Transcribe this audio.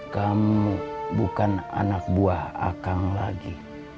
kamu bukan anak buah akang lagi